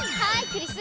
クリス。